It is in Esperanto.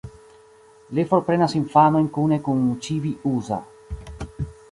Li forprenas infanojn kune kun Ĉibi-usa.